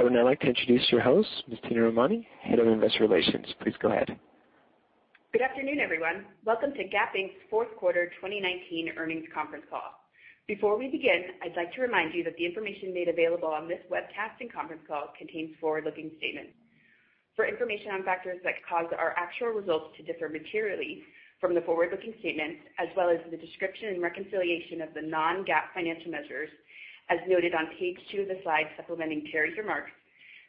I would now like to introduce your host, Ms. Tina Romani, Head of Investor Relations. Please go ahead. Good afternoon, everyone. Welcome to Gap Inc.'s fourth quarter 2019 earnings conference call. Before we begin, I'd like to remind you that the information made available on this webcast and conference call contains forward-looking statements. For information on factors that cause our actual results to differ materially from the forward-looking statements, as well as the description and reconciliation of the non-GAAP financial measures, as noted on page two of the slide supplementing Teri's remarks,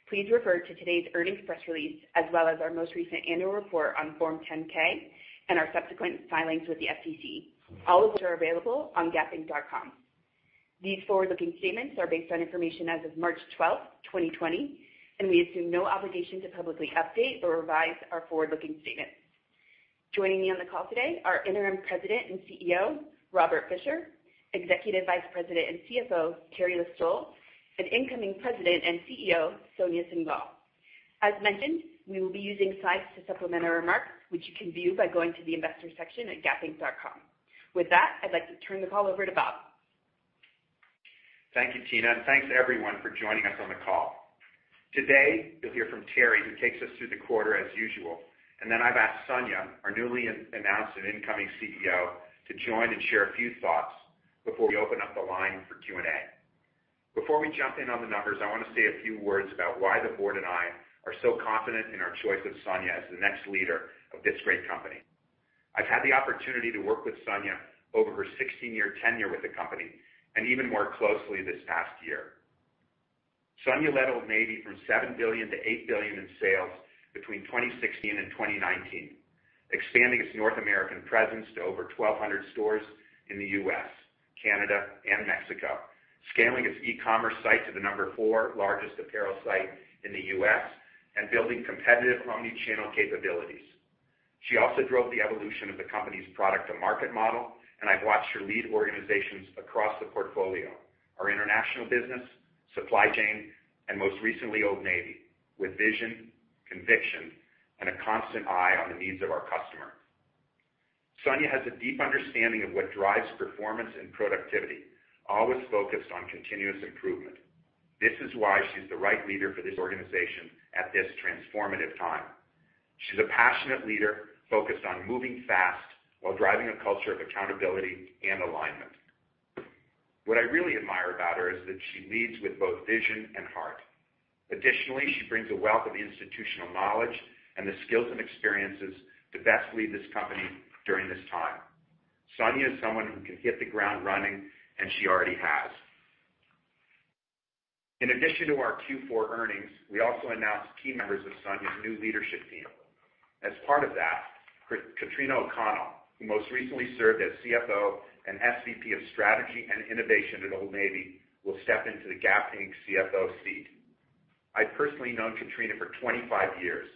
please refer to today's earnings press release, as well as our most recent annual report on Form 10-K and our subsequent filings with the SEC. All of which are available on gapinc.com. These forward-looking statements are based on information as of March 12, 2020, and we assume no obligation to publicly update or revise our forward-looking statements. Joining me on the call today, our Interim President and CEO, Robert Fisher, Executive Vice President and CFO, Teri List-Stoll, and incoming President and CEO, Sonia Syngal. As mentioned, we will be using slides to supplement our remarks, which you can view by going to the investor section at gapinc.com. With that, I'd like to turn the call over to Bob. Thank you, Tina. Thanks, everyone, for joining us on the call. Today, you'll hear from Teri, who takes us through the quarter as usual, and then I've asked Sonia, our newly announced and incoming CEO, to join and share a few thoughts before we open up the line for Q&A. Before we jump in on the numbers, I want to say a few words about why the board and I are so confident in our choice of Sonia as the next leader of this great company. I've had the opportunity to work with Sonia over her 16-year tenure with the company, and even more closely this past year. Sonia led Old Navy from $7 billion to $8 billion in sales between 2016 and 2019, expanding its North American presence to over 1,200 stores in the U.S., Canada, and Mexico, scaling its e-commerce site to the number 4 largest apparel site in the U.S., and building competitive omni-channel capabilities. She also drove the evolution of the company's product-to-market model, and I've watched her lead organizations across the portfolio, our international business, supply chain, and most recently, Old Navy, with vision, conviction, and a constant eye on the needs of our customer. Sonia has a deep understanding of what drives performance and productivity, always focused on continuous improvement. This is why she's the right leader for this organization at this transformative time. She's a passionate leader focused on moving fast while driving a culture of accountability and alignment. What I really admire about her is that she leads with both vision and heart. Additionally, she brings a wealth of institutional knowledge and the skills and experiences to best lead this company during this time. Sonia is someone who can hit the ground running, and she already has. In addition to our Q4 earnings, we also announced key members of Sonia's new leadership team. As part of that, Katrina O'Connell, who most recently served as CFO and SVP of Strategy and Innovation at Old Navy, will step into the Gap Inc. CFO seat. I've personally known Katrina for 25 years.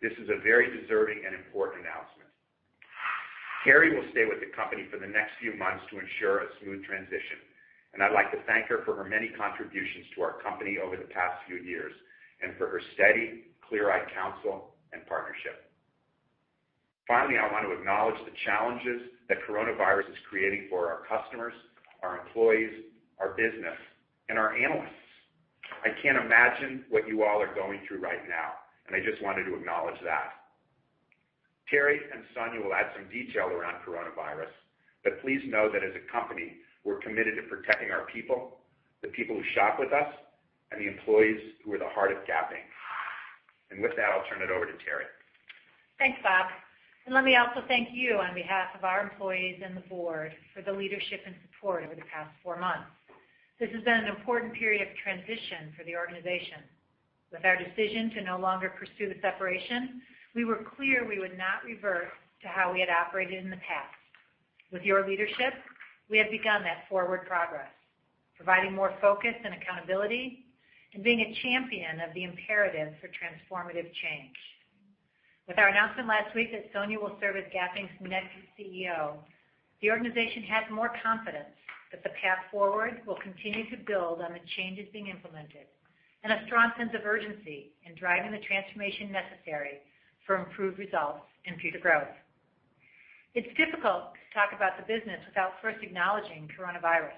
This is a very deserving and important announcement. Teri will stay with the company for the next few months to ensure a smooth transition. I'd like to thank her for her many contributions to our company over the past few years, and for her steady, clear-eyed counsel and partnership. Finally, I want to acknowledge the challenges that coronavirus is creating for our customers, our employees, our business, and our analysts. I can't imagine what you all are going through right now. I just wanted to acknowledge that. Teri and Sonia will add some detail around coronavirus. Please know that as a company, we're committed to protecting our people, the people who shop with us, and the employees who are the heart of Gap Inc. With that, I'll turn it over to Teri. Thanks, Robert. Let me also thank you on behalf of our employees and the board for the leadership and support over the past four months. This has been an important period of transition for the organization. With our decision to no longer pursue the separation, we were clear we would not revert to how we had operated in the past. With your leadership, we have begun that forward progress, providing more focus and accountability and being a champion of the imperative for transformative change. With our announcement last week that Sonia will serve as Gap Inc.'s next CEO, the organization has more confidence that the path forward will continue to build on the changes being implemented and a strong sense of urgency in driving the transformation necessary for improved results and future growth. It's difficult to talk about the business without first acknowledging coronavirus.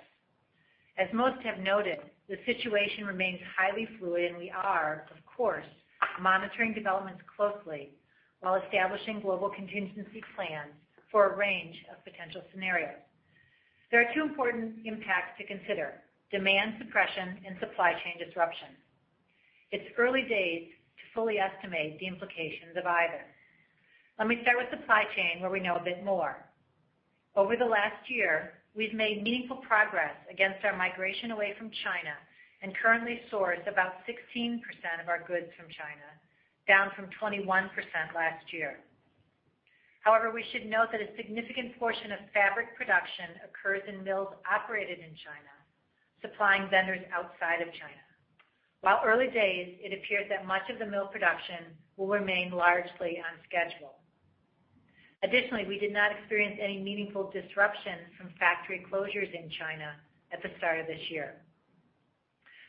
As most have noted, the situation remains highly fluid, and we are, of course, monitoring developments closely while establishing global contingency plans for a range of potential scenarios. There are two important impacts to consider, demand suppression and supply chain disruption. It's early days to fully estimate the implications of either. Let me start with supply chain, where we know a bit more. Over the last year, we've made meaningful progress against our migration away from China, and currently source about 16% of our goods from China, down from 21% last year. However, we should note that a significant portion of fabric production occurs in mills operated in China, supplying vendors outside of China. While early days, it appears that much of the mill production will remain largely on schedule. Additionally, we did not experience any meaningful disruption from factory closures in China at the start of this year.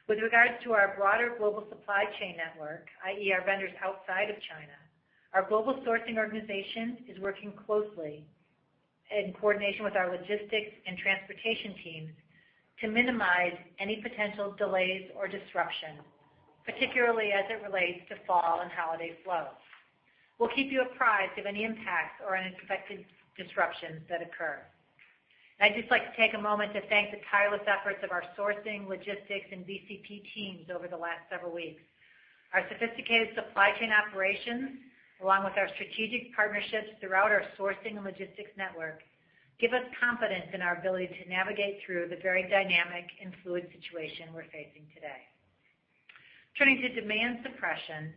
With regards to our broader global supply chain network, i.e., our vendors outside of China, our global sourcing organization is working closely in coordination with our logistics and transportation teams to minimize any potential delays or disruptions, particularly as it relates to fall and holiday flow. We'll keep you apprised of any impacts or unexpected disruptions that occur. I'd just like to take a moment to thank the tireless efforts of our sourcing, logistics, and BCP teams over the last several weeks. Our sophisticated supply chain operations, along with our strategic partnerships throughout our sourcing and logistics network, give us confidence in our ability to navigate through the very dynamic and fluid situation we're facing today. Turning to demand suppression,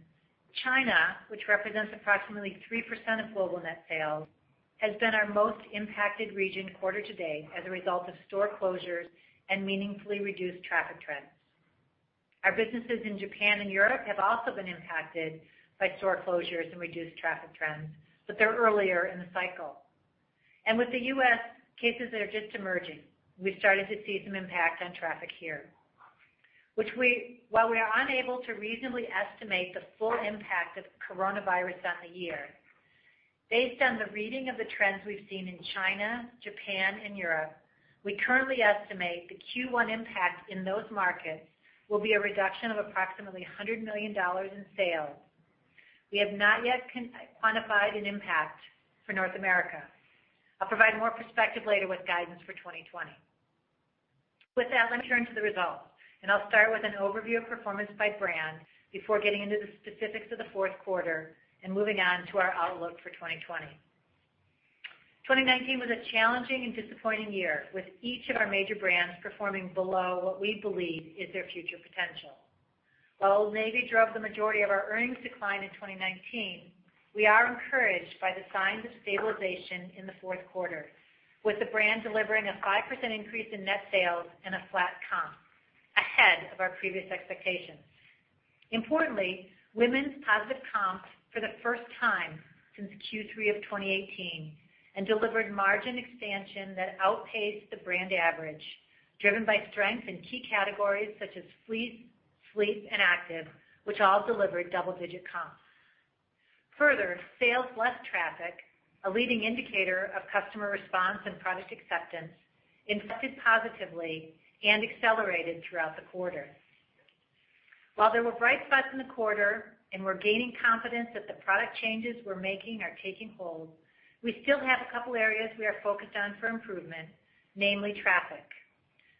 China, which represents approximately 3% of global net sales, has been our most impacted region quarter to date as a result of store closures and meaningfully reduced traffic trends. Our businesses in Japan and Europe have also been impacted by store closures and reduced traffic trends, but they're earlier in the cycle. With the U.S., cases are just emerging. We've started to see some impact on traffic here. While we are unable to reasonably estimate the full impact of the coronavirus on the year, based on the reading of the trends we've seen in China, Japan, and Europe, we currently estimate the Q1 impact in those markets will be a reduction of approximately $100 million in sales. We have not yet quantified an impact for North America. I'll provide more perspective later with guidance for 2020. With that, let me turn to the results, and I'll start with an overview of performance by brand before getting into the specifics of the fourth quarter and moving on to our outlook for 2020. 2019 was a challenging and disappointing year, with each of our major brands performing below what we believe is their future potential. While Old Navy drove the majority of our earnings decline in 2019, we are encouraged by the signs of stabilization in the fourth quarter, with the brand delivering a 5% increase in net sales and a flat comp ahead of our previous expectations. Importantly, women's positive comps for the first time since Q3 of 2018 and delivered margin expansion that outpaced the brand average, driven by strength in key categories such as fleece, sleep, and active, which all delivered double-digit comps. Further, sales less traffic, a leading indicator of customer response and product acceptance, inflected positively and accelerated throughout the quarter. While there were bright spots in the quarter and we're gaining confidence that the product changes we're making are taking hold, we still have a couple areas we are focused on for improvement, namely traffic.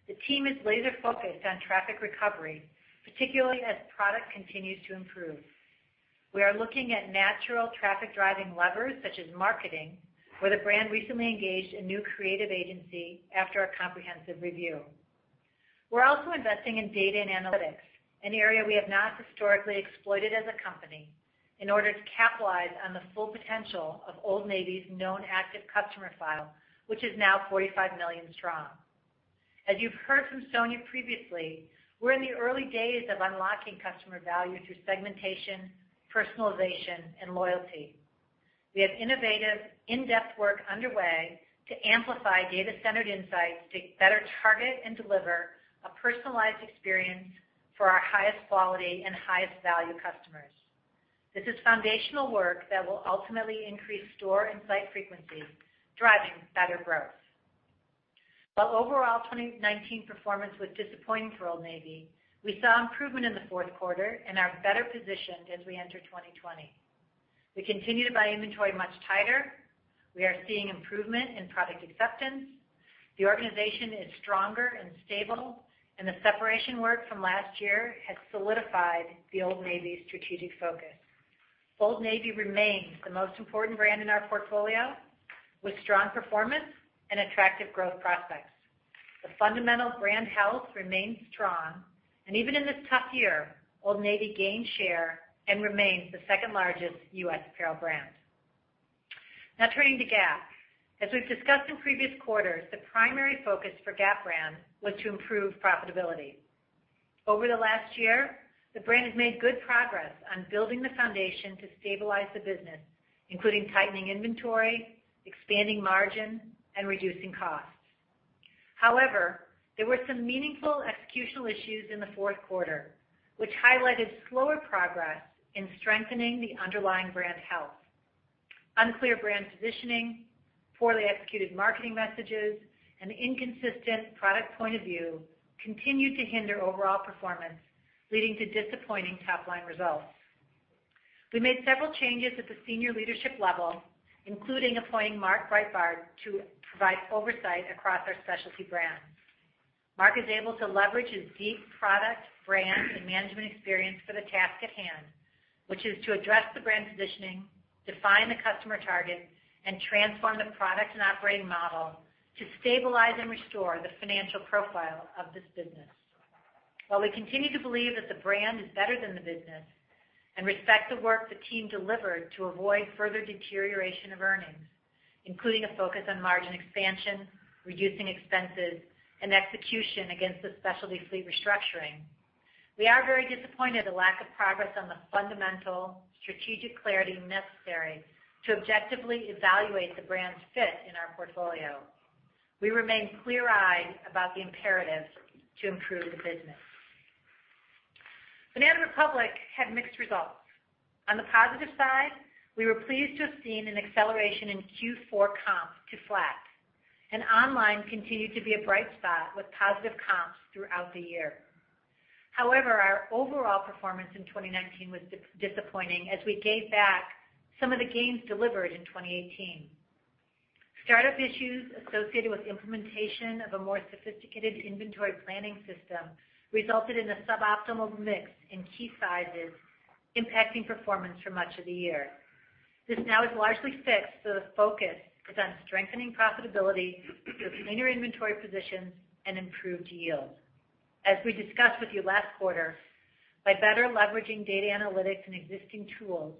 The team is laser-focused on traffic recovery, particularly as product continues to improve. We are looking at natural traffic-driving levers such as marketing, where the brand recently engaged a new creative agency after a comprehensive review. We're also investing in data and analytics, an area we have not historically exploited as a company in order to capitalize on the full potential of Old Navy's known active customer file, which is now 45 million strong. As you've heard from Sonia previously, we're in the early days of unlocking customer value through segmentation, personalization, and loyalty. We have innovative, in-depth work underway to amplify data-centered insights to better target and deliver a personalized experience for our highest quality and highest value customers. This is foundational work that will ultimately increase store and site frequency, driving better growth. While overall 2019 performance was disappointing for Old Navy, we saw improvement in the fourth quarter and are better positioned as we enter 2020. We continue to buy inventory much tighter. We are seeing improvement in product acceptance. The organization is stronger and stable, and the separation work from last year has solidified the Old Navy strategic focus. Old Navy remains the most important brand in our portfolio, with strong performance and attractive growth prospects. The fundamental brand health remains strong, and even in this tough year, Old Navy gained share and remains the second largest U.S. apparel brand. Now turning to Gap. As we've discussed in previous quarters, the primary focus for Gap brand was to improve profitability. Over the last year, the brand has made good progress on building the foundation to stabilize the business, including tightening inventory, expanding margin, and reducing costs. However, there were some meaningful executional issues in the fourth quarter, which highlighted slower progress in strengthening the underlying brand health. Unclear brand positioning, poorly executed marketing messages, and inconsistent product point of view continued to hinder overall performance, leading to disappointing top-line results. We made several changes at the senior leadership level, including appointing Mark Breitbard to provide oversight across our specialty brands. Mark is able to leverage his deep product, brand, and management experience for the task at hand, which is to address the brand positioning, define the customer target, and transform the product and operating model to stabilize and restore the financial profile of this business. While we continue to believe that the brand is better than the business and respect the work the team delivered to avoid further deterioration of earnings, including a focus on margin expansion, reducing expenses, and execution against the specialty fleece restructuring, we are very disappointed at the lack of progress on the fundamental strategic clarity necessary to objectively evaluate the brand's fit in our portfolio. We remain clear-eyed about the imperative to improve the business. Banana Republic had mixed results. On the positive side, we were pleased to have seen an acceleration in Q4 comps to flat, and online continued to be a bright spot with positive comps throughout the year. Our overall performance in 2019 was disappointing as we gave back some of the gains delivered in 2018. Startup issues associated with implementation of a more sophisticated inventory planning system resulted in a suboptimal mix in key sizes, impacting performance for much of the year. This now is largely fixed, the focus is on strengthening profitability with cleaner inventory positions and improved yield. As we discussed with you last quarter, by better leveraging data analytics and existing tools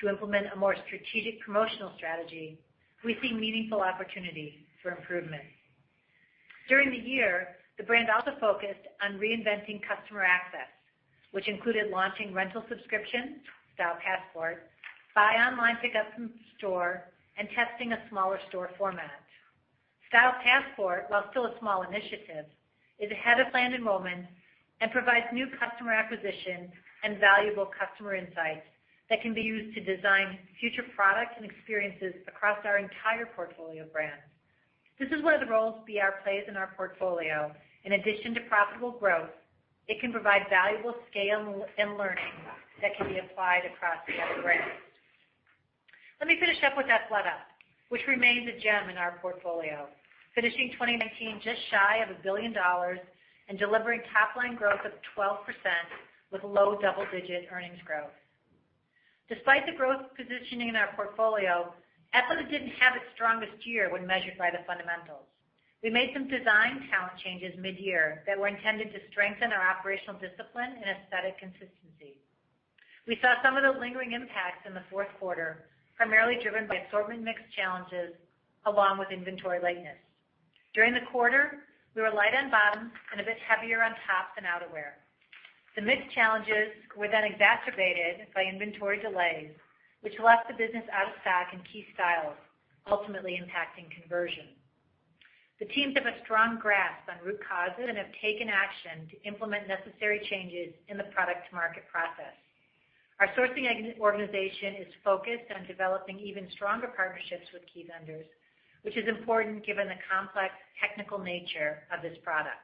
to implement a more strategic promotional strategy, we see meaningful opportunity for improvement. During the year, the brand also focused on reinventing customer access, which included launching rental subscription, Style Passport, buy online pickup in store, and testing a smaller store format. Style Passport, while still a small initiative, is ahead of planned enrollment and provides new customer acquisition and valuable customer insights that can be used to design future products and experiences across our entire portfolio brands. This is one of the roles BR plays in our portfolio. In addition to profitable growth, it can provide valuable scale and learning that can be applied across other brands. Let me finish up with Athleta, which remains a gem in our portfolio. Finishing 2019 just shy of $1 billion and delivering top-line growth of 12% with low double-digit earnings growth. Despite the growth positioning in our portfolio, Athleta didn't have its strongest year when measured by the fundamentals. We made some design talent changes midyear that were intended to strengthen our operational discipline and aesthetic consistency. We saw some of the lingering impacts in the fourth quarter, primarily driven by assortment mix challenges along with inventory lateness. During the quarter, we were light on bottoms and a bit heavier on top than outerwear. The mix challenges were exacerbated by inventory delays, which left the business out of stock in key styles, ultimately impacting conversion. The teams have a strong grasp on root causes and have taken action to implement necessary changes in the product market process. Our sourcing organization is focused on developing even stronger partnerships with key vendors, which is important given the complex technical nature of this product.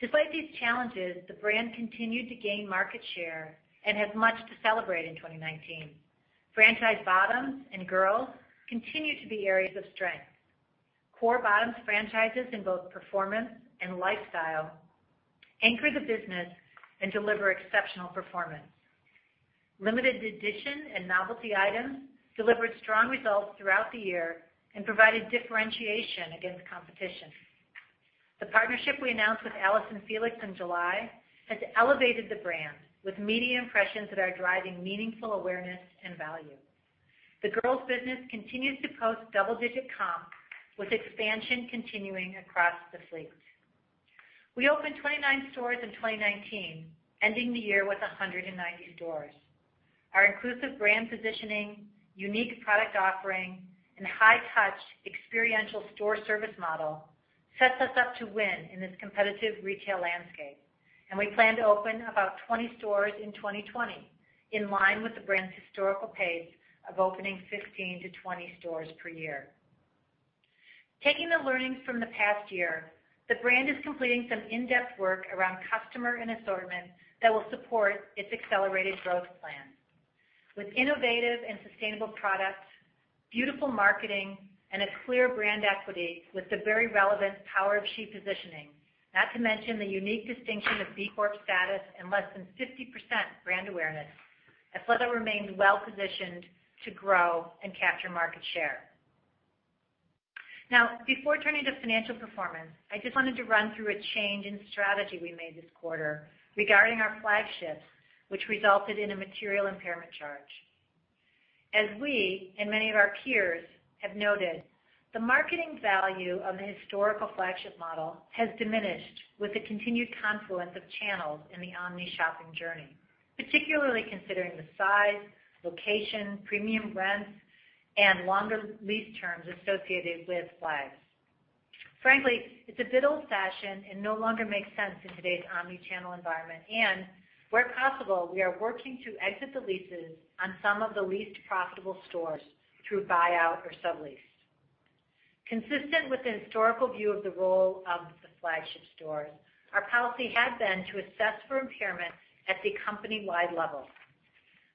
Despite these challenges, the brand continued to gain market share and has much to celebrate in 2019. Franchise bottoms and girls continue to be areas of strength. Core bottoms franchises in both performance and lifestyle anchor the business and deliver exceptional performance. Limited edition and novelty items delivered strong results throughout the year and provided differentiation against competition. The partnership we announced with Allyson Felix in July has elevated the brand with media impressions that are driving meaningful awareness and value. The girls' business continues to post double-digit comps with expansion continuing across the fleece. We opened 29 stores in 2019, ending the year with 190 stores. Our inclusive brand positioning, unique product offering, and high touch experiential store service model sets us up to win in this competitive retail landscape, and we plan to open about 20 stores in 2020, in line with the brand's historical pace of opening 15 to 20 stores per year. Taking the learnings from the past year, the brand is completing some in-depth work around customer and assortment that will support its accelerated growth plan. With innovative and sustainable products, beautiful marketing, and a clear brand equity with the very relevant Power of She positioning, not to mention the unique distinction of B Corp status and less than 50% brand awareness, Athleta remains well-positioned to grow and capture market share. Now, before turning to financial performance, I just wanted to run through a change in strategy we made this quarter regarding our flagships, which resulted in a material impairment charge. As we and many of our peers have noted, the marketing value of the historical flagship model has diminished with the continued confluence of channels in the omni shopping journey, particularly considering the size, location, premium rents, and longer lease terms associated with flags. Frankly, it's a bit old fashioned and no longer makes sense in today's omni-channel environment, and where possible, we are working to exit the leases on some of the least profitable stores through buyout or sublease. Consistent with the historical view of the role of the flagship stores, our policy had been to assess for impairment at the company-wide level.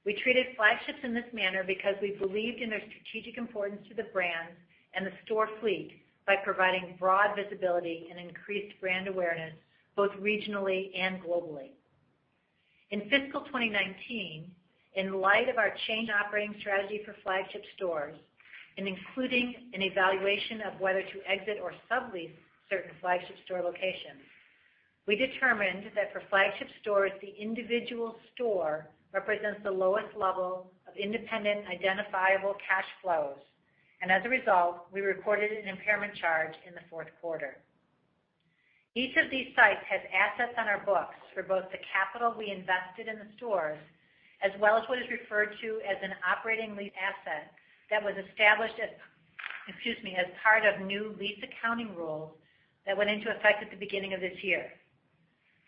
We treated flagships in this manner because we believed in their strategic importance to the brands and the store fleet by providing broad visibility and increased brand awareness both regionally and globally. In fiscal 2019, in light of our change operating strategy for flagship stores and including an evaluation of whether to exit or sublease certain flagship store locations, we determined that for flagship stores, the individual store represents the lowest level of independent, identifiable cash flows, and as a result, we reported an impairment charge in the fourth quarter. Each of these sites has assets on our books for both the capital we invested in the stores, as well as what is referred to as an operating lease asset that was established, excuse me, as part of new lease accounting rules that went into effect at the beginning of this year.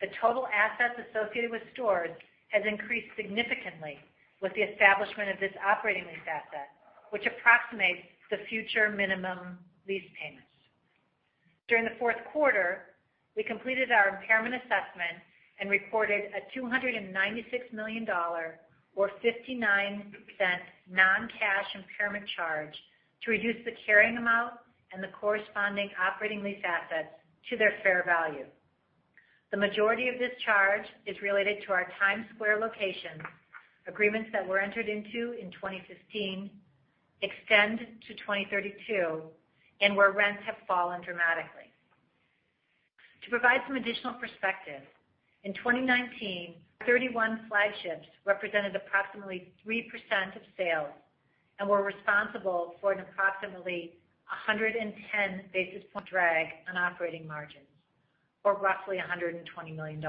The total assets associated with stores has increased significantly with the establishment of this operating lease asset, which approximates the future minimum lease payments. During the fourth quarter, we completed our impairment assessment and reported a $296 million or 59% non-cash impairment charge to reduce the carrying amount and the corresponding operating lease assets to their fair value. The majority of this charge is related to our Times Square location, agreements that were entered into in 2015 extend to 2032, and where rents have fallen dramatically. To provide some additional perspective, in 2019, 31 flagships represented approximately 3% of sales and were responsible for an approximately 110 basis point drag on operating margins, or roughly $120 million.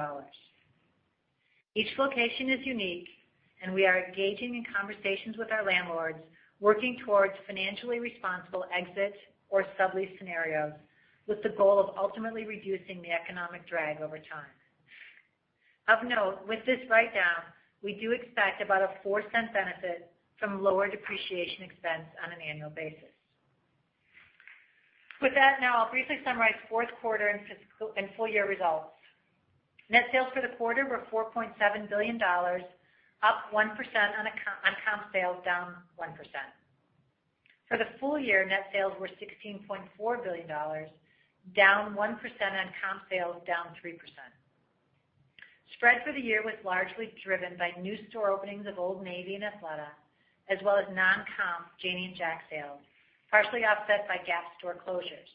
Each location is unique, and we are engaging in conversations with our landlords, working towards financially responsible exit or sublease scenarios with the goal of ultimately reducing the economic drag over time. Of note, with this write-down, we do expect about a $0.04 benefit from lower depreciation expense on an annual basis. With that, now I'll briefly summarize fourth quarter and full year results. Net sales for the quarter were $4.7 billion, up 1% on comp sales, down 1%. For the full year, net sales were $16.4 billion, down 1% on comp sales, down 3%. Spread for the year was largely driven by new store openings of Old Navy and Athleta, as well as non-comp Janie and Jack sales, partially offset by Gap store closures.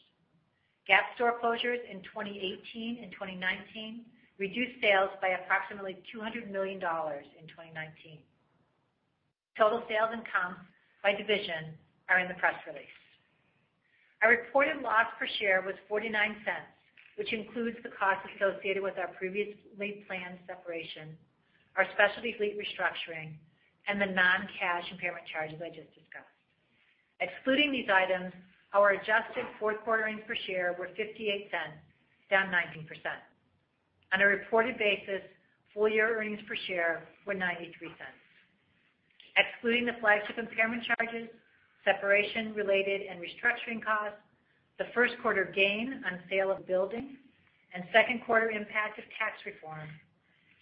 Gap store closures in 2018 and 2019 reduced sales by approximately $200 million in 2019. Total sales and comps by division are in the press release. Our reported loss per share was $0.49, which includes the cost associated with our previously planned separation, our specialty fleece restructuring, and the non-cash impairment charges I just discussed. Excluding these items, our adjusted fourth quarter earnings per share were $0.58, down 19%. On a reported basis, full year earnings per share were $0.93. Excluding the flagship impairment charges, separation-related and restructuring costs, the first quarter gain on sale of building, and second quarter impact of tax reform,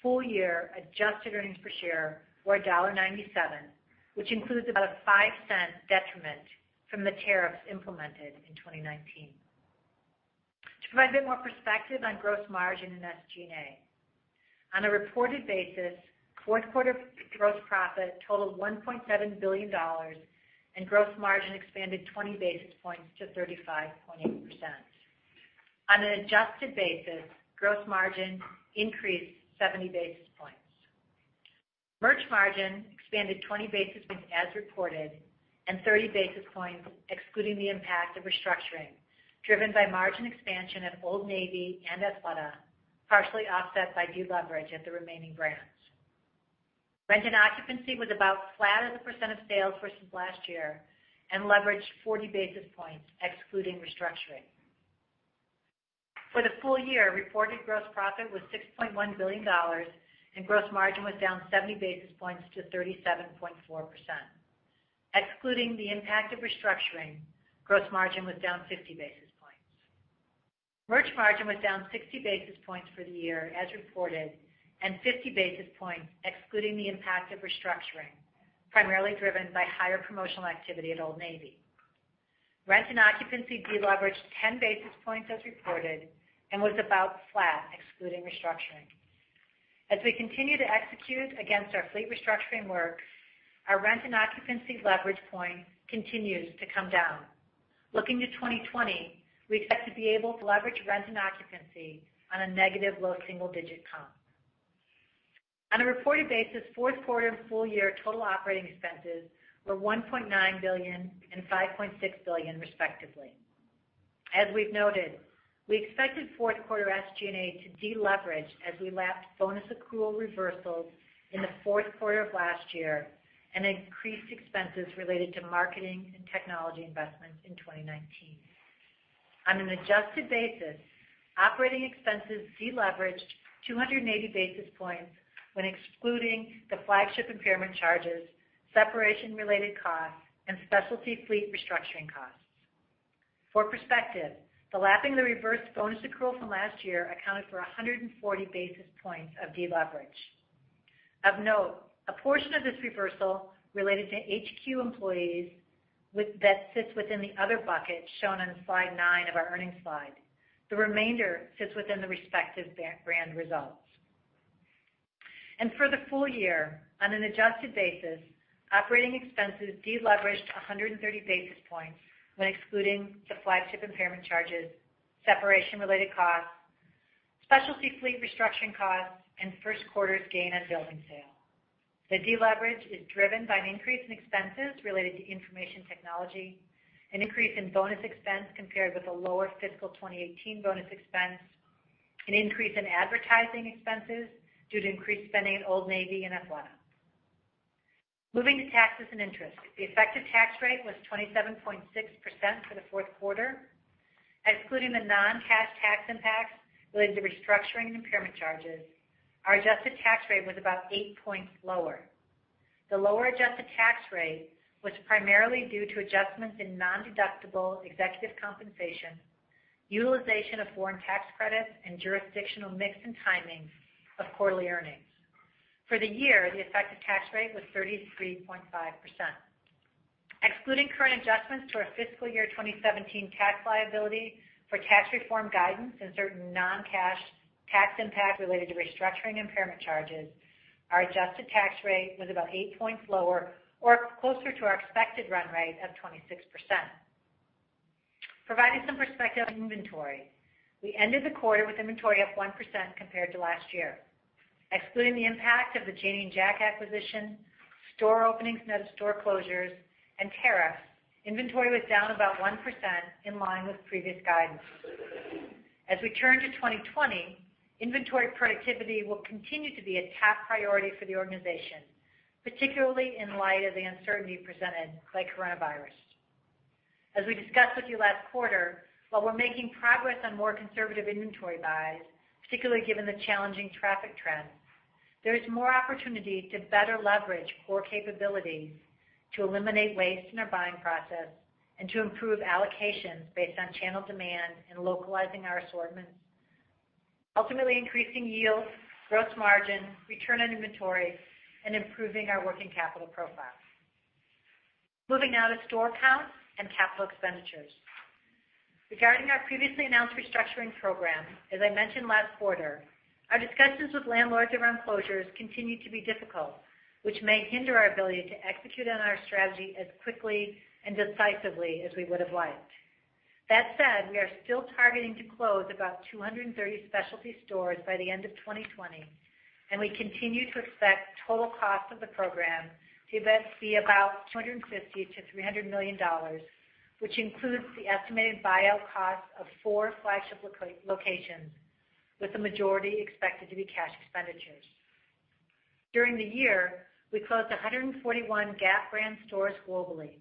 full year adjusted earnings per share were $1.97, which includes about a $0.05 detriment from the tariffs implemented in 2019. To provide a bit more perspective on gross margin and SG&A. On a reported basis, fourth quarter gross profit totaled $1.7 billion and gross margin expanded 20 basis points to 35.8%. On an adjusted basis, gross margin increased 70 basis points. Merch margin expanded 20 basis points as reported and 30 basis points excluding the impact of restructuring, driven by margin expansion at Old Navy and Athleta, partially offset by deleverage at the remaining brands. Rent and occupancy was about flat as a % of sales versus last year and leveraged 40 basis points excluding restructuring. For the full year, reported gross profit was $6.1 billion and gross margin was down 70 basis points to 37.4%. Excluding the impact of restructuring, gross margin was down 50 basis points. Merch margin was down 60 basis points for the year as reported and 50 basis points excluding the impact of restructuring, primarily driven by higher promotional activity at Old Navy. Rent and occupancy deleveraged 10 basis points as reported and was about flat excluding restructuring. As we continue to execute against our fleece restructuring work, our rent and occupancy leverage point continues to come down. Looking to 2020, we expect to be able to leverage rent and occupancy on a negative low single digit comp. On a reported basis, fourth quarter and full year total operating expenses were $1.9 billion and $5.6 billion, respectively. As we've noted, we expected fourth quarter SG&A to deleverage as we lapped bonus accrual reversals in the fourth quarter of last year and increased expenses related to marketing and technology investments in 2019. On an adjusted basis, operating expenses deleveraged 280 basis points when excluding the flagship impairment charges, separation-related costs, and specialty fleece restructuring costs. For perspective, the lapping the reversed bonus accrual from last year accounted for 140 basis points of deleverage. Of note, a portion of this reversal related to HQ employees that sits within the other bucket shown on slide nine of our earnings slide. The remainder sits within the respective brand results. For the full year, on an adjusted basis, operating expenses deleveraged 130 basis points when excluding the flagship impairment charges, separation-related costs, specialty fleece restructuring costs, and first quarter's gain on building sale. The deleverage is driven by an increase in expenses related to information technology, an increase in bonus expense compared with a lower fiscal 2018 bonus expense, an increase in advertising expenses due to increased spending at Old Navy and Athleta. Moving to taxes and interest. The effective tax rate was 27.6% for the fourth quarter. Excluding the non-cash tax impacts related to restructuring impairment charges, our adjusted tax rate was about eight points lower. The lower adjusted tax rate was primarily due to adjustments in non-deductible executive compensation, utilization of foreign tax credits, and jurisdictional mix and timing of quarterly earnings. For the year, the effective tax rate was 33.5%. Excluding current adjustments to our fiscal year 2017 tax liability for tax reform guidance and certain non-cash tax impact related to restructuring impairment charges, our adjusted tax rate was about eight points lower or closer to our expected run rate of 26%. Providing some perspective on inventory. We ended the quarter with inventory up 1% compared to last year. Excluding the impact of the Janie and Jack acquisition, store openings, net of store closures, and tariffs, inventory was down about 1%, in line with previous guidance. As we turn to 2020, inventory productivity will continue to be a top priority for the organization, particularly in light of the uncertainty presented by coronavirus. As we discussed with you last quarter, while we're making progress on more conservative inventory buys, particularly given the challenging traffic trends, there is more opportunity to better leverage core capabilities to eliminate waste in our buying process and to improve allocations based on channel demand and localizing our assortments, ultimately increasing yield, gross margin, return on inventory, and improving our working capital profile. Moving now to store count and capital expenditures. Regarding our previously announced restructuring program, as I mentioned last quarter, our discussions with landlords around closures continue to be difficult, which may hinder our ability to execute on our strategy as quickly and decisively as we would have liked. That said, we are still targeting to close about 230 specialty stores by the end of 2020, and we continue to expect total cost of the program to eventually be about $250 million-$300 million, which includes the estimated buyout cost of four flagship locations, with the majority expected to be cash expenditures. During the year, we closed 141 Gap brand stores globally.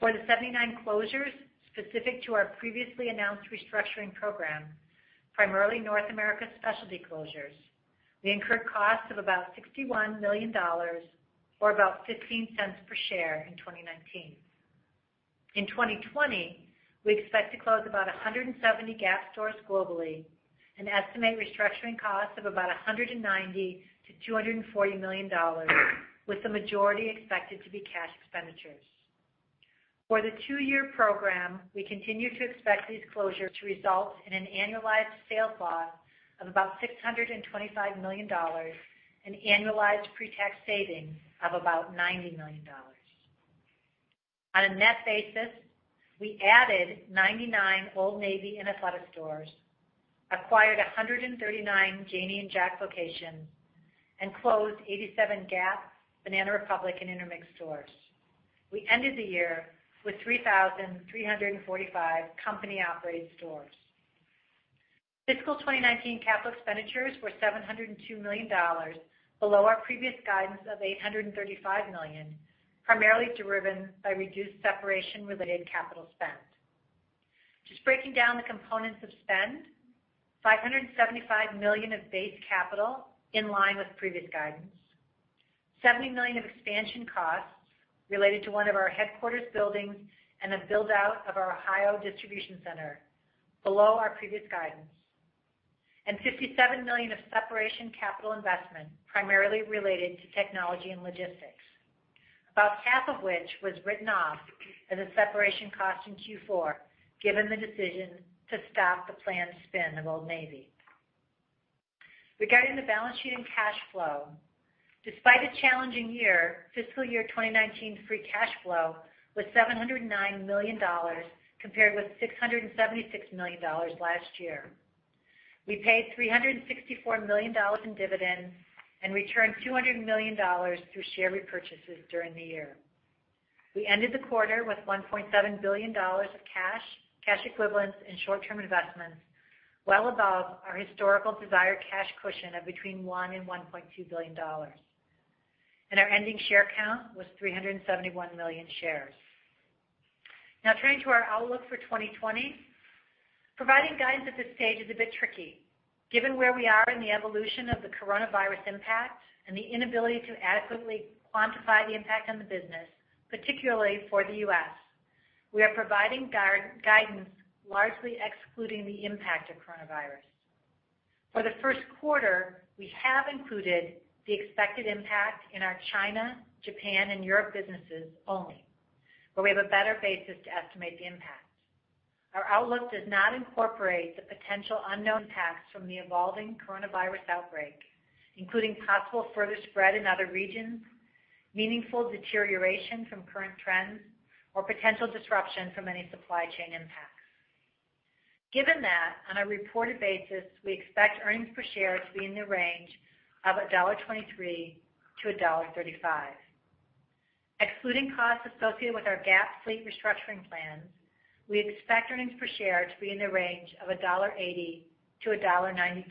For the 79 closures specific to our previously announced restructuring program, primarily North America specialty closures, we incurred costs of about $61 million or about $0.15 per share in 2019. In 2020, we expect to close about 170 Gap stores globally and estimate restructuring costs of about $190 million-$240 million, with the majority expected to be cash expenditures. For the two-year program, we continue to expect these closures to result in an annualized sales loss of about $625 million, an annualized pre-tax savings of about $90 million. On a net basis, we added 99 Old Navy and Athleta stores, acquired 139 Janie and Jack locations, and closed 87 Gap, Banana Republic, and Intermix stores. We ended the year with 3,345 company-operated stores. Fiscal 2019 capital expenditures were $702 million, below our previous guidance of $835 million, primarily driven by reduced separation-related capital spend. Just breaking down the components of spend, $575 million of base capital in line with previous guidance, $70 million of expansion costs related to one of our headquarters buildings and the build-out of our Ohio distribution center below our previous guidance, and $57 million of separation capital investment, primarily related to technology and logistics, about half of which was written off as a separation cost in Q4, given the decision to stop the planned spin of Old Navy. Regarding the balance sheet and cash flow, despite a challenging year, fiscal year 2019 free cash flow was $709 million, compared with $676 million last year. We paid $364 million in dividends and returned $200 million through share repurchases during the year. We ended the quarter with $1.7 billion of cash equivalents, and short-term investments, well above our historical desired cash cushion of between $1 billion and $1.2 billion. Our ending share count was 371 million shares. Now turning to our outlook for 2020. Providing guidance at this stage is a bit tricky, given where we are in the evolution of the coronavirus impact and the inability to adequately quantify the impact on the business, particularly for the U.S. We are providing guidance largely excluding the impact of coronavirus. For the first quarter, we have included the expected impact in our China, Japan, and Europe businesses only, where we have a better basis to estimate the impact. Our outlook does not incorporate the potential unknown impacts from the evolving coronavirus outbreak, including possible further spread in other regions, meaningful deterioration from current trends, or potential disruption from any supply chain impacts. Given that, on a reported basis, we expect earnings per share to be in the range of $1.23-$1.35. Excluding costs associated with our Gap fleece restructuring plans, we expect earnings per share to be in the range of $1.80-$1.92,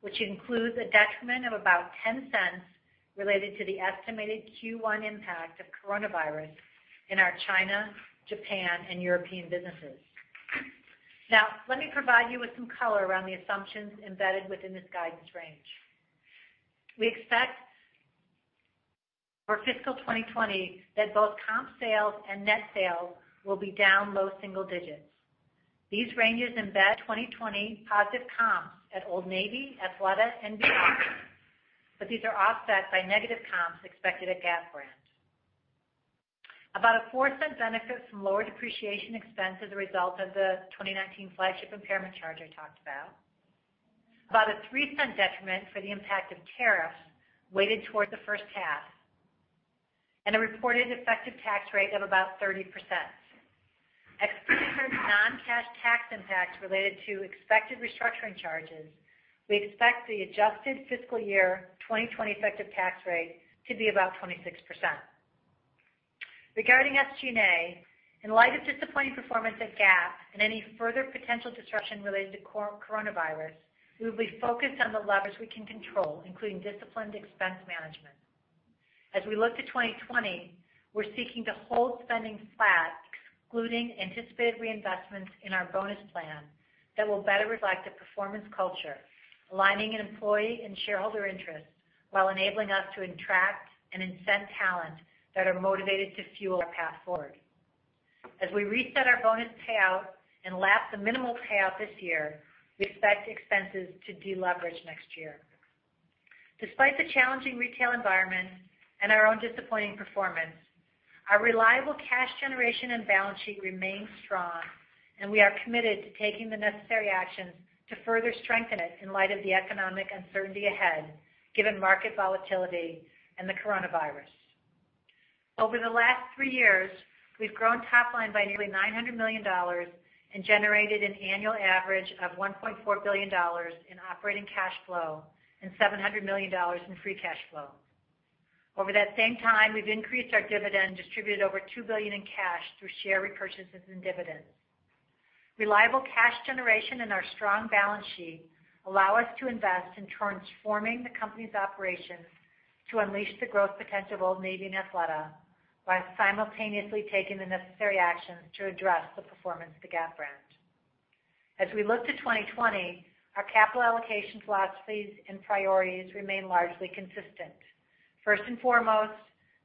which includes a detriment of about $0.10 related to the estimated Q1 impact of coronavirus in our China, Japan, and European businesses. Let me provide you with some color around the assumptions embedded within this guidance range. We expect for fiscal 2020 that both comp sales and net sales will be down low single digits. These ranges embed 2020 positive comps at Old Navy, Athleta, and Banana, these are offset by negative comps expected at Gap brand. About a $0.04 benefit from lower depreciation expense as a result of the 2019 flagship impairment charge I talked about a $0.03 detriment for the impact of tariffs weighted towards the first half, and a reported effective tax rate of about 30%. Excluding non-cash tax impacts related to expected restructuring charges, we expect the adjusted fiscal year 2020 effective tax rate to be about 26%. Regarding SG&A, in light of disappointing performance at Gap and any further potential disruption related to coronavirus, we will be focused on the levers we can control, including disciplined expense management. As we look to 2020, we're seeking to hold spending flat, excluding anticipated reinvestments in our bonus plan that will better reflect a performance culture, aligning employee and shareholder interests, while enabling us to attract and incent talent that are motivated to fuel our path forward. As we reset our bonus payout and lap the minimal payout this year, we expect expenses to deleverage next year. Despite the challenging retail environment and our own disappointing performance, our reliable cash generation and balance sheet remain strong, and we are committed to taking the necessary actions to further strengthen it in light of the economic uncertainty ahead, given market volatility and the coronavirus. Over the last three years, we've grown top line by nearly $900 million and generated an annual average of $1.4 billion in operating cash flow and $700 million in free cash flow. Over that same time, we've increased our dividend, distributed over $2 billion in cash through share repurchases and dividends. Reliable cash generation and our strong balance sheet allow us to invest in transforming the company's operations to unleash the growth potential of Old Navy and Athleta while simultaneously taking the necessary actions to address the performance of the Gap brand. As we look to 2020, our capital allocation philosophies and priorities remain largely consistent. First and foremost,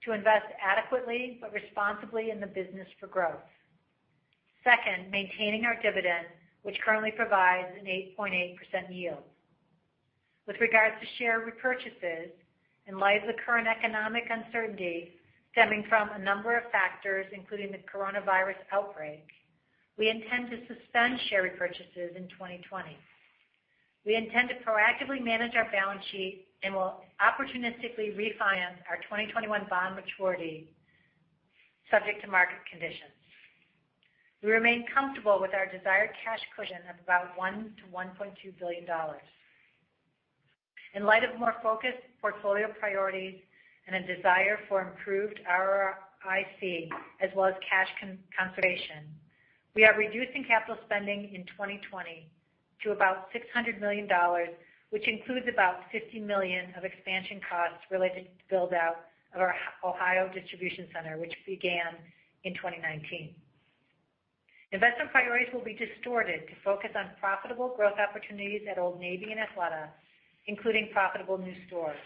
to invest adequately but responsibly in the business for growth. Second, maintaining our dividend, which currently provides an 8.8% yield. With regards to share repurchases, in light of the current economic uncertainty stemming from a number of factors, including the coronavirus outbreak, we intend to suspend share repurchases in 2020. We intend to proactively manage our balance sheet and will opportunistically refinance our 2021 bond maturity subject to market conditions. We remain comfortable with our desired cash cushion of about $1 billion-$1.2 billion. In light of more focused portfolio priorities and a desire for improved ROIC, as well as cash conservation, we are reducing capital spending in 2020 to about $600 million, which includes about $50 million of expansion costs related to the build-out of our Ohio distribution center, which began in 2019. Investment priorities will be distorted to focus on profitable growth opportunities at Old Navy and Athleta, including profitable new stores.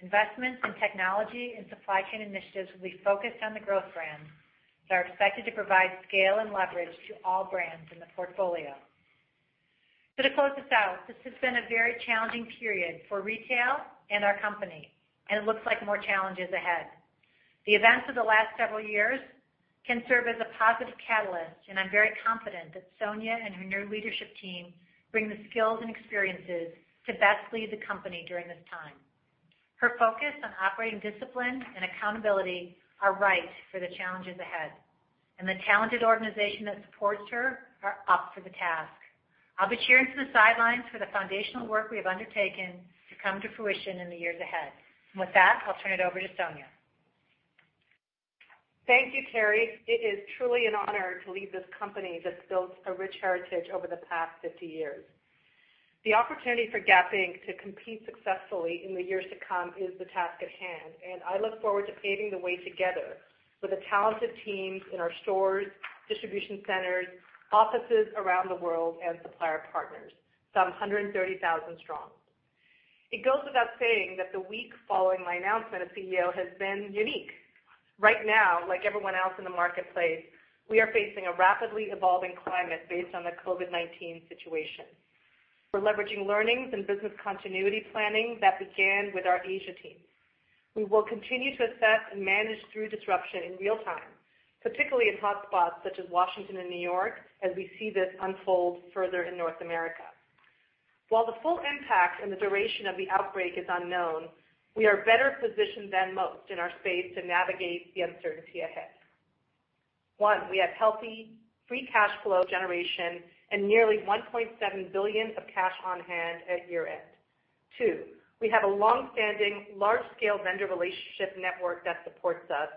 Investments in technology and supply chain initiatives will be focused on the growth brands that are expected to provide scale and leverage to all brands in the portfolio. To close us out, this has been a very challenging period for retail and our company, and it looks like more challenges ahead. The events of the last several years can serve as a positive catalyst, and I'm very confident that Sonia and her new leadership team bring the skills and experiences to best lead the company during this time. Her focus on operating discipline and accountability are right for the challenges ahead, and the talented organization that supports her are up for the task. I'll be cheering from the sidelines for the foundational work we have undertaken to come to fruition in the years ahead. With that, I'll turn it over to Sonia. Thank you, Teri. It is truly an honor to lead this company that's built a rich heritage over the past 50 years. The opportunity for Gap Inc. to compete successfully in the years to come is the task at hand, and I look forward to paving the way together with the talented teams in our stores, distribution centers, offices around the world, and supplier partners, some 130,000 strong. It goes without saying that the week following my announcement as CEO has been unique. Right now, like everyone else in the marketplace, we are facing a rapidly evolving climate based on the COVID-19 situation. We're leveraging learnings and business continuity planning that began with our Asia team. We will continue to assess and manage through disruption in real time, particularly in hotspots such as Washington and New York, as we see this unfold further in North America. While the full impact and the duration of the outbreak is unknown, we are better positioned than most in our space to navigate the uncertainty ahead. One, we have healthy free cash flow generation and nearly $1.7 billion of cash on hand at year-end. Two, we have a longstanding large-scale vendor relationship network that supports us.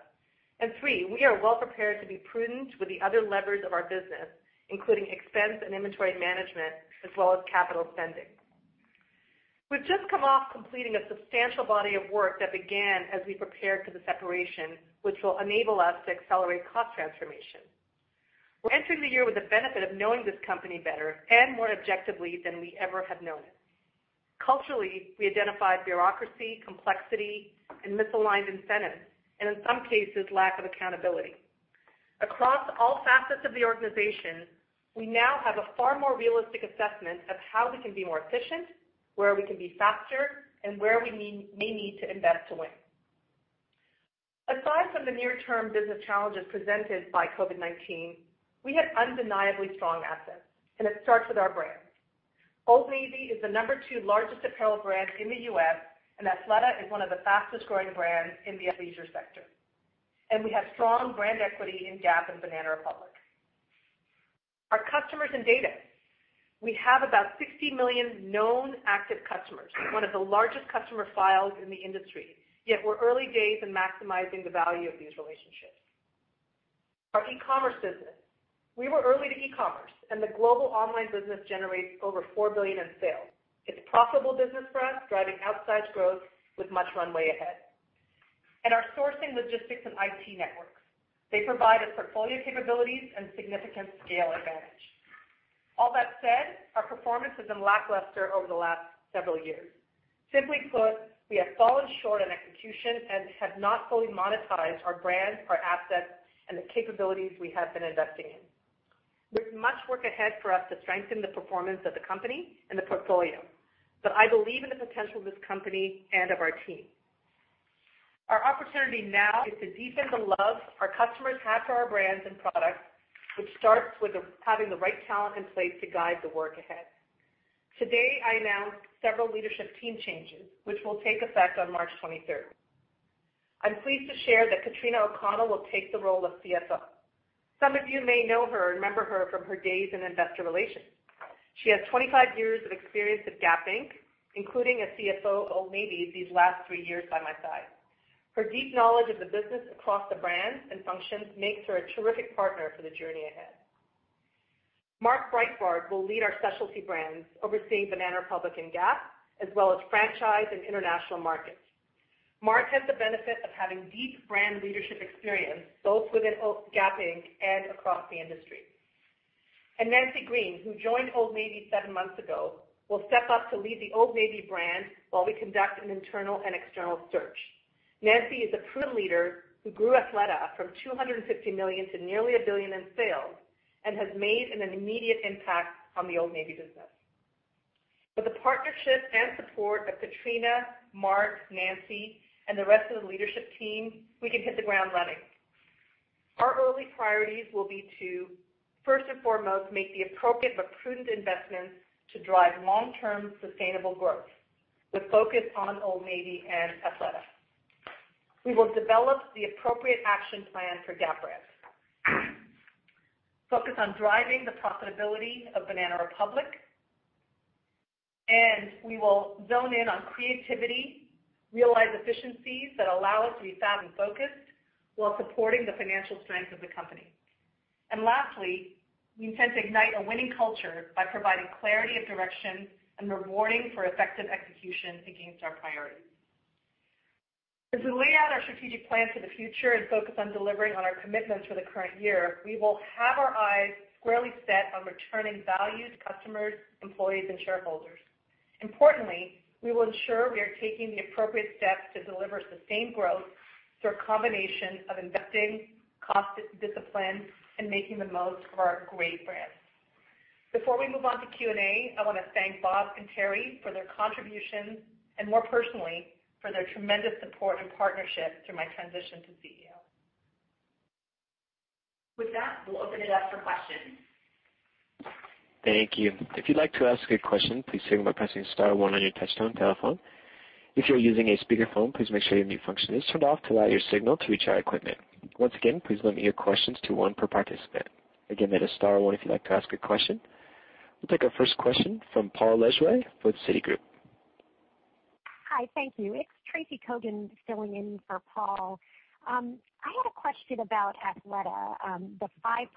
Three, we are well-prepared to be prudent with the other levers of our business, including expense and inventory management, as well as capital spending. We've just come off completing a substantial body of work that began as we prepared for the separation, which will enable us to accelerate cost transformation. We're entering the year with the benefit of knowing this company better and more objectively than we ever have known it. Culturally, we identified bureaucracy, complexity, and misaligned incentives, and in some cases, lack of accountability. Across all facets of the organization, we now have a far more realistic assessment of how we can be more efficient, where we can be faster, and where we may need to invest to win. Aside from the near-term business challenges presented by COVID-19, we have undeniably strong assets, and it starts with our brands. Old Navy is the number two largest apparel brand in the U.S., Athleta is one of the fastest-growing brands in the athleisure sector. We have strong brand equity in Gap and Banana Republic. Our customers and data. We have about 60 million known active customers, one of the largest customer files in the industry. Yet we're early days in maximizing the value of these relationships. Our e-commerce business. We were early to e-commerce, and the global online business generates over $4 billion in sales. It's a profitable business for us, driving outsized growth with much runway ahead. Our sourcing, logistics, and IT networks. They provide us portfolio capabilities and significant scale advantage. All that said, our performance has been lackluster over the last several years. Simply put, we have fallen short on execution and have not fully monetized our brands, our assets, and the capabilities we have been investing in. There's much work ahead for us to strengthen the performance of the company and the portfolio, but I believe in the potential of this company and of our team. Our opportunity now is to deepen the love our customers have for our brands and products, which starts with having the right talent in place to guide the work ahead. Today, I announce several leadership team changes, which will take effect on March 23rd. I'm pleased to share that Katrina O'Connell will take the role of CFO. Some of you may know her and remember her from her days in investor relations. She has 25 years of experience at Gap Inc., including as CFO of Old Navy these last three years by my side. Her deep knowledge of the business across the brands and functions makes her a terrific partner for the journey ahead. Mark Breitbard will lead our specialty brands, overseeing Banana Republic and Gap, as well as franchise and international markets. Mark has the benefit of having deep brand leadership experience, both within Gap Inc. and across the industry. Nancy Green, who joined Old Navy seven months ago, will step up to lead the Old Navy brand while we conduct an internal and external search. Nancy is a proven leader who grew Athleta from $250 million to nearly $1 billion in sales and has made an immediate impact on the Old Navy business. With the partnership and support of Katrina, Mark, Nancy, and the rest of the leadership team, we can hit the ground running. Our early priorities will be to, first and foremost, make the appropriate but prudent investments to drive long-term sustainable growth with focus on Old Navy and Athleta. We will develop the appropriate action plan for Gap brands, focus on driving the profitability of Banana Republic. We will zone in on creativity, realize efficiencies that allow us to be fast and focused while supporting the financial strength of the company. Lastly, we intend to ignite a winning culture by providing clarity of direction and rewarding for effective execution against our priorities. As we lay out our strategic plans for the future and focus on delivering on our commitments for the current year, we will have our eyes squarely set on returning value to customers, employees, and shareholders. Importantly, we will ensure we are taking the appropriate steps to deliver sustained growth through a combination of investing, cost discipline, and making the most of our great brands. Before we move on to Q&A, I want to thank Bob and Teri for their contributions, more personally, for their tremendous support and partnership through my transition to CEO. With that, we'll open it up for questions. Thank you. If you'd like to ask a question, please signal by pressing star one on your touchtone telephone. If you're using a speakerphone, please make sure your mute function is turned off to allow your signal to reach our equipment. Once again, please limit your questions to one per participant. Again, that is star one if you'd like to ask a question. We'll take our first question from Paul Lejuez with Citigroup. Hi, thank you. It's Tracy Kogan filling in for Paul. I had a question about Athleta, the 5%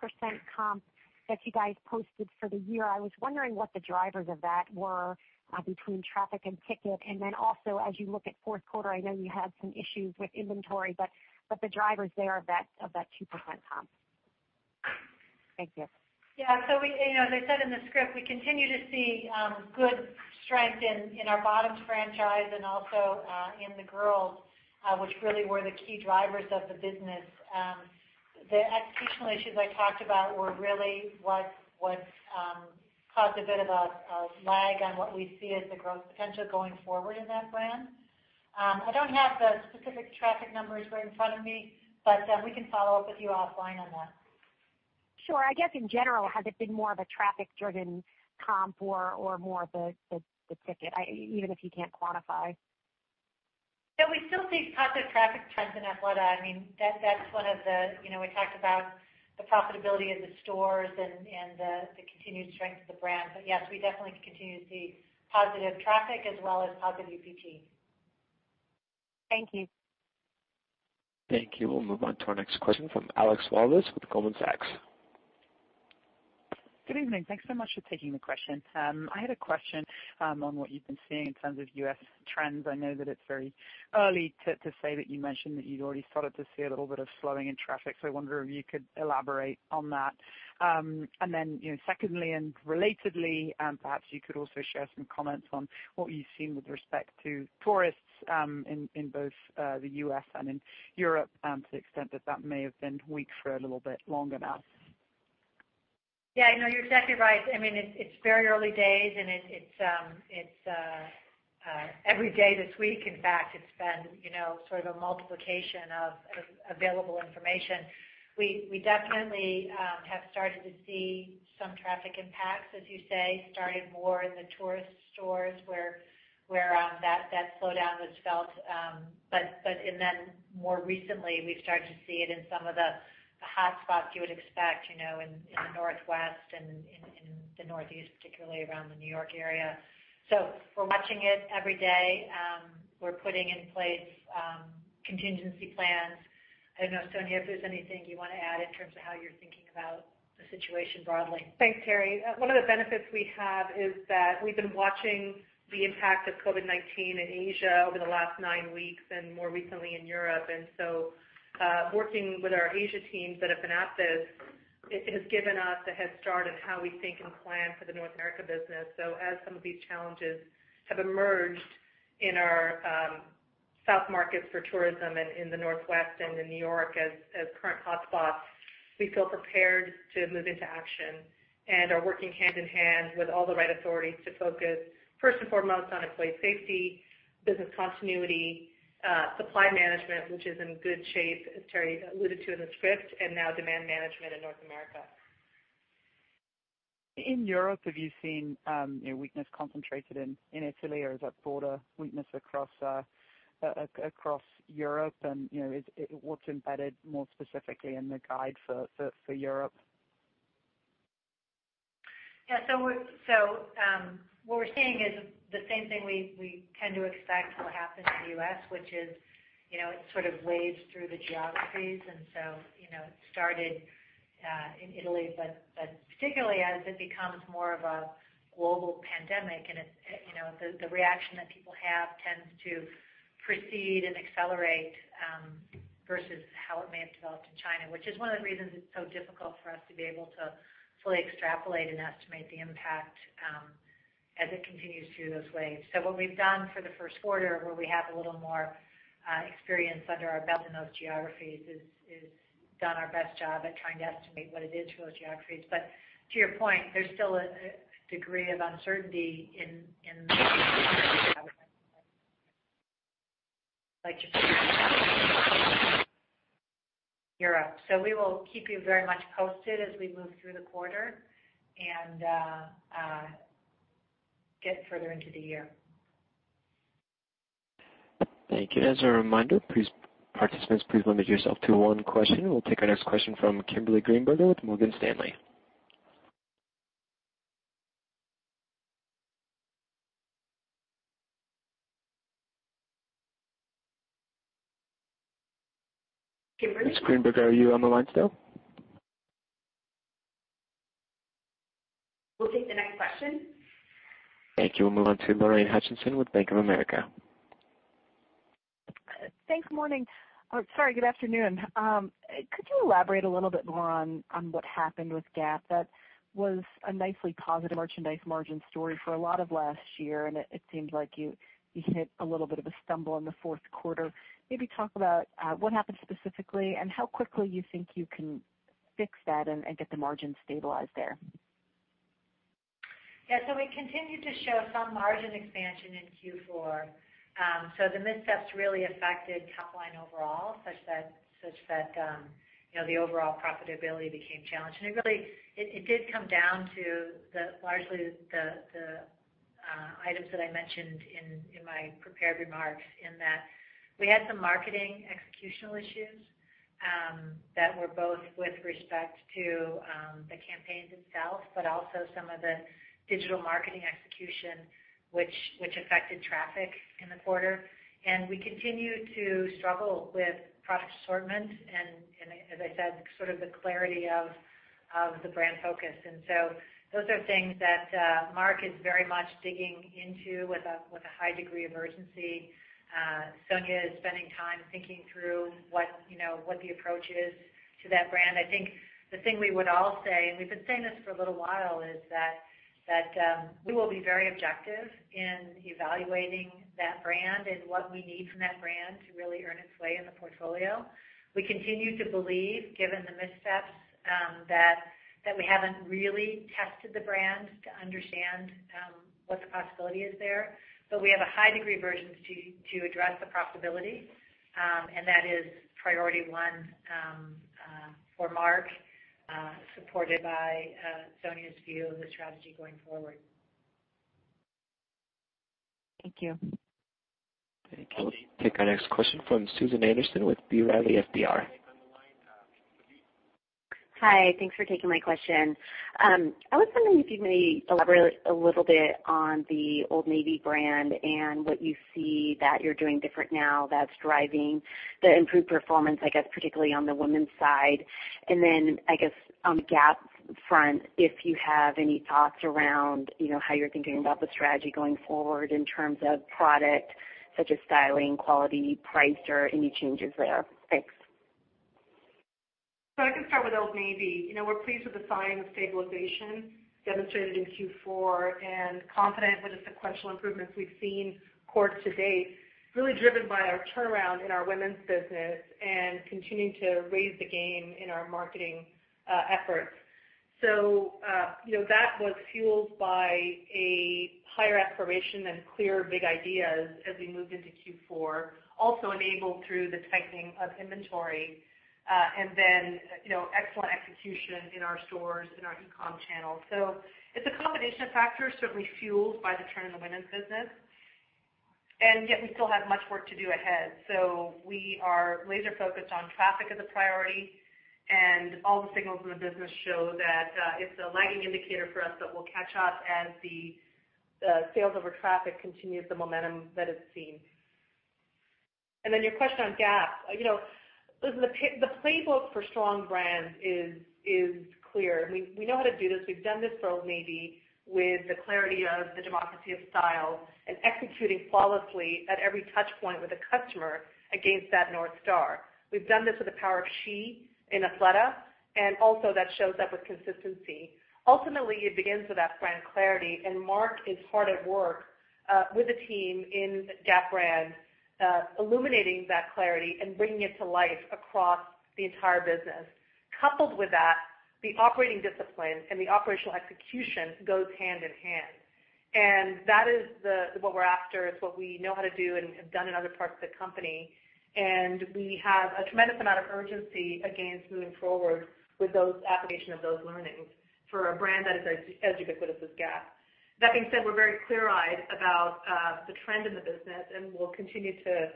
comp that you guys posted for the year. I was wondering what the drivers of that were between traffic and ticket, and then also, as you look at fourth quarter, I know you had some issues with inventory, but the drivers there of that 2% comp. Thank you. As I said in the script, we continue to see good strength in our bottoms franchise and also in the girls, which really were the key drivers of the business. The executional issues I talked about were really what caused a bit of a lag on what we see as the growth potential going forward in that brand. I don't have the specific traffic numbers right in front of me, but we can follow up with you offline on that. Sure. I guess in general, has it been more of a traffic-driven comp or more of the ticket, even if you can't quantify? Yeah, we still see positive traffic trends in Athleta. We talked about the profitability of the stores and the continued strength of the brand. Yes, we definitely continue to see positive traffic as well as positive AUR. Thank you. Thank you. We'll move on to our next question from Alex Walvis with Goldman Sachs. Good evening. Thanks so much for taking the question. I had a question on what you've been seeing in terms of U.S. trends. I know that it's very early to say that you mentioned that you'd already started to see a little bit of slowing in traffic, so I wonder if you could elaborate on that. Secondly, and relatedly, perhaps you could also share some comments on what you've seen with respect to tourists in both the U.S. and in Europe to the extent that that may have been weak for a little bit longer now. Yeah, you're exactly right. It's very early days. Every day this week, in fact, it's been sort of a multiplication of available information. We definitely have started to see some traffic impacts, as you say, starting more in the tourist stores where that slowdown was felt. More recently, we've started to see it in some of the hotspots you would expect, in the Northwest and in the Northeast, particularly around the New York area. We're watching it every day. We're putting in place contingency plans. I don't know, Sonia, if there's anything you want to add in terms of how you're thinking about the situation broadly. Thanks, Teri. One of the benefits we have is that we've been watching the impact of COVID-19 in Asia over the last 9 weeks and more recently in Europe. Working with our Asia teams that have been at this, it has given us a head start in how we think and plan for the North America business. As some of these challenges have emerged in our south markets for tourism and in the Northwest and in New York as current hotspots, we feel prepared to move into action and are working hand in hand with all the right authorities to focus first and foremost on employee safety, business continuity, supply management, which is in good shape, as Teri alluded to in the script, and now demand management in North America. In Europe, have you seen weakness concentrated in Italy, or is that broader weakness across Europe and what's embedded more specifically in the guide for Europe? Yeah. What we're seeing is the same thing we tend to expect will happen in the U.S., which is it sort of waves through the geographies. It started in Italy. Particularly as it becomes more of a global pandemic and the reaction that people have tends to precede and accelerate versus how it may have developed in China, which is one of the reasons it's so difficult for us to be able to fully extrapolate and estimate the impact as it continues through those waves. What we've done for the first quarter, where we have a little more experience under our belt in those geographies, is done our best job at trying to estimate what it is for those geographies. To your point, there's still a degree of uncertainty in Europe. We will keep you very much posted as we move through the quarter and get further into the year. Thank you. As a reminder, participants, please limit yourself to one question. We'll take our next question from Kimberly Greenberger with Morgan Stanley. Kimberly Greenberger, are you on the line still? We'll take the next question. Thank you. We'll move on to Lorraine Hutchinson with Bank of America. Thanks. Morning. Sorry, good afternoon. Could you elaborate a little bit more on what happened with Gap? That was a nicely positive merchandise margin story for a lot of last year, and it seemed like you hit a little bit of a stumble in the fourth quarter. Maybe talk about what happened specifically and how quickly you think you can fix that and get the margin stabilized there. We continued to show some margin expansion in Q4. The missteps really affected top line overall, such that the overall profitability became challenged. It did come down to largely the items that I mentioned in my prepared remarks in that we had some marketing executional issues that were both with respect to the campaigns itself, but also some of the digital marketing execution which affected traffic in the quarter. We continue to struggle with product assortment and, as I said, sort of the clarity of the brand focus. Those are things that Mark is very much digging into with a high degree of urgency. Sonia is spending time thinking through what the approach is to that brand. I think the thing we would all say, and we've been saying this for a little while, is that we will be very objective in evaluating that brand and what we need from that brand to really earn its way in the portfolio. We continue to believe, given the missteps, that we haven't really tested the brand to understand what the possibility is there. We have a high degree of urgency to address the profitability, and that is priority one for Mark. Supported by Sonia's view of the strategy going forward. Thank you. Thank you. We'll take our next question from Susan Anderson with B. Riley FBR. Hi. Thanks for taking my question. I was wondering if you could maybe elaborate a little bit on the Old Navy brand and what you see that you're doing different now that's driving the improved performance, I guess particularly on the women's side. Then, I guess on the Gap front, if you have any thoughts around how you're thinking about the strategy going forward in terms of product such as styling, quality, price or any changes there. Thanks. I can start with Old Navy. We're pleased with the signs of stabilization demonstrated in Q4 and confident with the sequential improvements we've seen quarter to date, really driven by our turnaround in our women's business and continuing to raise the game in our marketing efforts. That was fueled by a higher aspiration and clear big ideas as we moved into Q4, also enabled through the tightening of inventory, and then excellent execution in our stores, in our e-com channel. It's a combination of factors certainly fueled by the turn in the women's business. Yet we still have much work to do ahead. We are laser focused on traffic as a priority, and all the signals in the business show that it's a lagging indicator for us that will catch up as the sales over traffic continues the momentum that it's seen. Your question on Gap. Listen, the playbook for strong brands is clear. We know how to do this. We've done this for Old Navy with the clarity of the Democracy of Style and executing flawlessly at every touch point with a customer against that North Star. We've done this with the Power of She in Athleta, that shows up with consistency. Ultimately, it begins with that brand clarity. Mark is hard at work, with a team in Gap brand, illuminating that clarity and bringing it to life across the entire business. Coupled with that, the operating discipline and the operational execution goes hand in hand. That is what we're after. It's what we know how to do and have done in other parts of the company. We have a tremendous amount of urgency, again, moving forward with those application of those learnings for a brand that is as ubiquitous as Gap. That being said, we're very clear-eyed about the trend in the business, and we'll continue to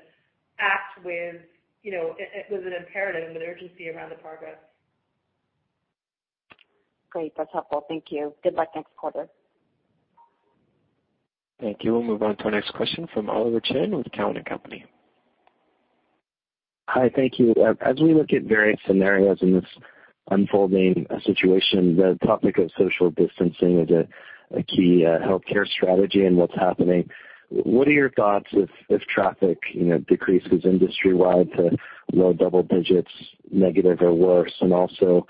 act with an imperative and an urgency around the progress. Great. That's helpful. Thank you. Good luck next quarter. Thank you. We'll move on to our next question from Oliver Chen with Cowen & Company. Hi. Thank you. As we look at various scenarios in this unfolding situation, the topic of social distancing is a key healthcare strategy in what's happening. What are your thoughts if traffic decreases industry-wide to low double-digits, negative or worse? Also,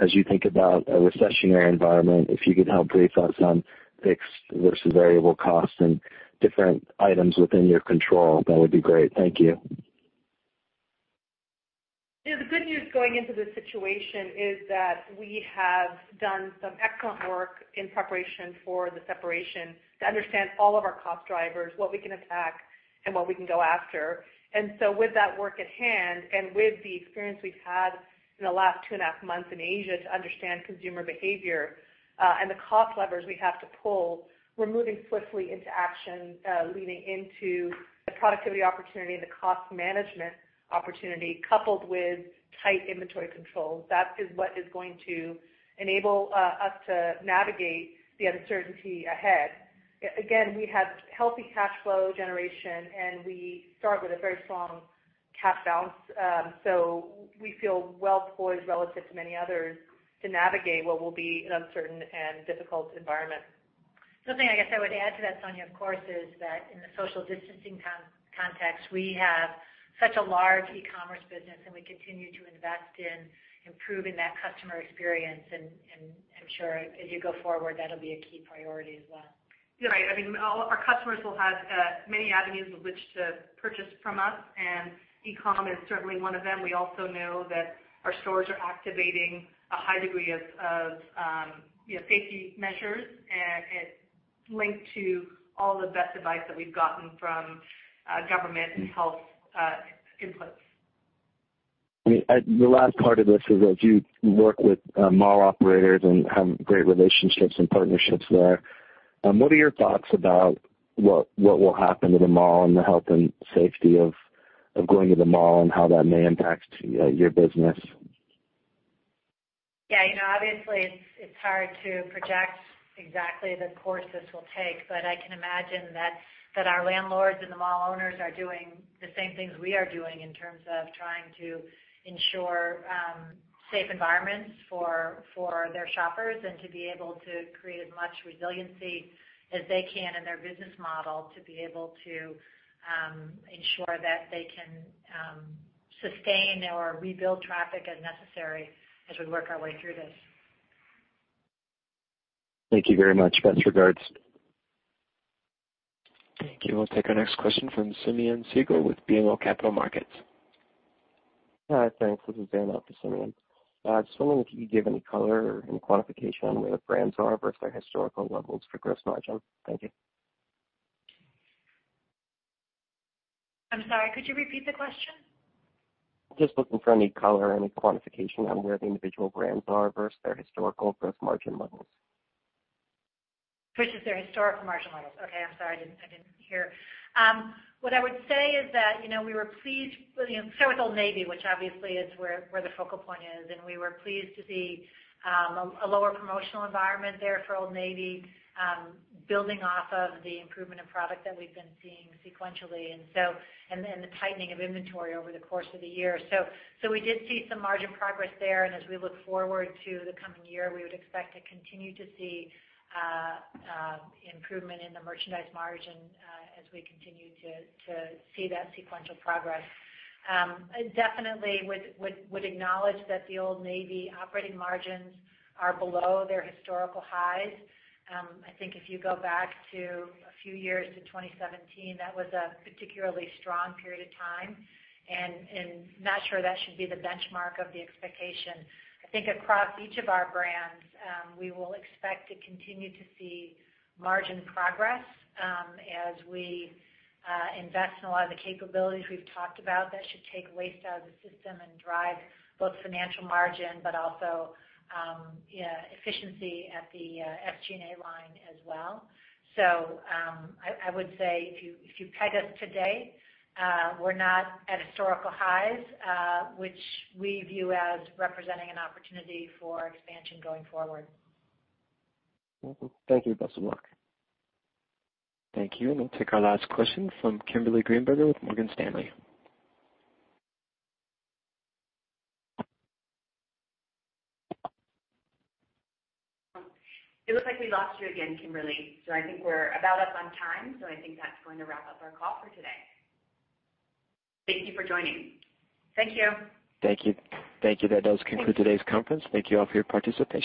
as you think about a recessionary environment, if you could help brief us on fixed versus variable costs and different items within your control, that would be great. Thank you. Yeah. The good news going into this situation is that we have done some excellent work in preparation for the separation to understand all of our cost drivers, what we can attack and what we can go after. With that work at hand and with the experience we've had in the last 2.5 months in Asia to understand consumer behavior, and the cost levers we have to pull, we're moving swiftly into action, leaning into the productivity opportunity and the cost management opportunity, coupled with tight inventory controls. That is what is going to enable us to navigate the uncertainty ahead. Again, we have healthy cash flow generation, and we start with a very strong cash balance. We feel well poised relative to many others to navigate what will be an uncertain and difficult environment. Something I guess I would add to that, Sonia, of course, is that in the social distancing context, we have such a large e-commerce business, we continue to invest in improving that customer experience. I'm sure as you go forward, that'll be a key priority as well. Right. Our customers will have many avenues with which to purchase from us, and e-com is certainly one of them. We also know that our stores are activating a high degree of safety measures, and it's linked to all the best advice that we've gotten from government and health inputs. The last part of this is, as you work with mall operators and have great relationships and partnerships there, what are your thoughts about what will happen to the mall and the health and safety of going to the mall and how that may impact your business? Obviously it's hard to project exactly the course this will take, but I can imagine that our landlords and the mall owners are doing the same things we are doing in terms of trying to ensure safe environments for their shoppers and to be able to create as much resiliency as they can in their business model to be able to ensure that they can sustain or rebuild traffic as necessary as we work our way through this. Thank you very much. Best regards. Thank you. We'll take our next question from Simeon Siegel with BMO Capital Markets. Hi. Thanks. This is Dan out for Simeon. Just wondering if you could give any color or any quantification on where the brands are versus their historical levels for gross margin. Thank you. I'm sorry, could you repeat the question? Just looking for any color, any quantification on where the individual brands are versus their historical gross margin levels. Versus their historical margin levels. Okay, I'm sorry, I didn't hear. What I would say is that we were pleased with Old Navy, which obviously is where the focal point is, and we were pleased to see a lower promotional environment there for Old Navy building off of the improvement in product that we've been seeing sequentially, and then the tightening of inventory over the course of the year. We did see some margin progress there, and as we look forward to the coming year, we would expect to continue to see improvement in the merchandise margin as we continue to see that sequential progress. I definitely would acknowledge that the Old Navy operating margins are below their historical highs. I think if you go back to a few years to 2017, that was a particularly strong period of time. Not sure that should be the benchmark of the expectation. I think across each of our brands, we will expect to continue to see margin progress as we invest in a lot of the capabilities we've talked about that should take waste out of the system and drive both financial margin but also efficiency at the SG&A line as well. I would say if you peg us today, we're not at historical highs, which we view as representing an opportunity for expansion going forward. Thank you. Best of luck. Thank you. We'll take our last question from Kimberly Greenberger with Morgan Stanley. It looks like we lost you again, Kimberly. I think we're about up on time, so I think that's going to wrap up our call for today. Thank you for joining. Thank you. Thank you. That does conclude today's conference. Thank you all for your participation.